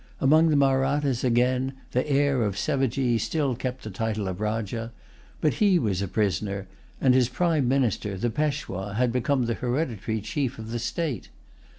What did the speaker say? Among the Mahrattas, again, the heir of Sevajee still kept the title of Rajah; but he was a prisoner, and his prime minister, the Peshwa, had become the hereditary chief of the state.